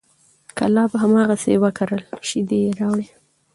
کلاب هماغسې وکړل، شیدې یې راوړې،